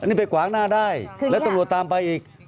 อันนี้ไปขวางหน้าได้แล้วตัวตัวตามไปอีก